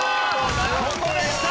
ここできた！